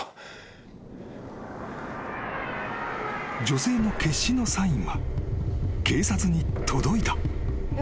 ［女性の決死のサインは警察に届いた］